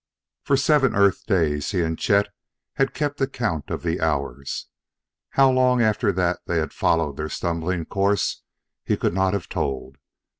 For seven Earth days he and Chet had kept account of the hours. How long after that they had followed their stumbling course he could not have told.